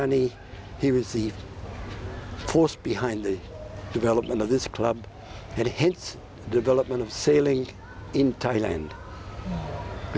อ่อนนี้คริเนียนเป็นภาพธนาประมาณรุ่นสุดของกลุ่มด้วย